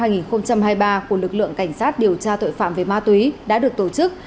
năm hai nghìn hai mươi ba của lực lượng cảnh sát điều tra tội phạm về ma túy đã được tổ chức